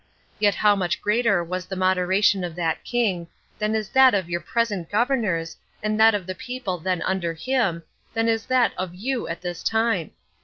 Yet how much greater was the moderation of that king, than is that of your present governors, and that of the people then under him, than is that of you at this time!